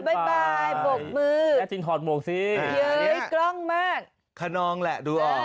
บ๊ายบายบ่งมือเสร็จทอดหมวกสิเย๋งกกล้องมากคนองแหละดูออก